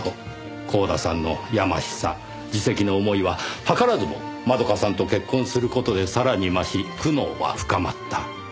光田さんの疚しさ自責の思いは図らずも窓夏さんと結婚する事でさらに増し苦悩は深まった。